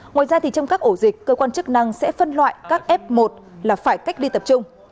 ngoài ra trong các ổ dịch cơ quan chức năng sẽ phân loại các f một là phải cách ly tập trung